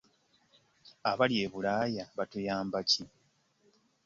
Abali e Bulaaya batuyamba ki?